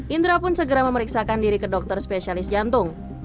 indra pun segera memeriksakan diri ke dokter spesialis jantung